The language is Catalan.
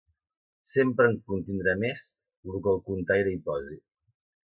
Sempre en contindrà més lo que el contaire hi posi.